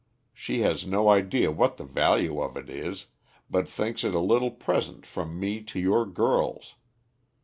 She has no idea what the value of it is, but thinks it a little present from me to your girls.